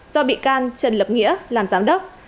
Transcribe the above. do bị can trần lập nghĩa làm giám đốc